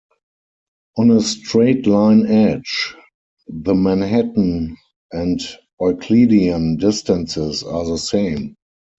On a straight-line edge, the Manhattan and Euclidean distances are the same.